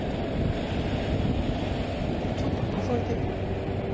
ちょっとのぞいてみる？